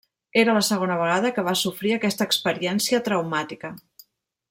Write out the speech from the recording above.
Era la segona vegada que va sofrir aquesta experiència traumàtica.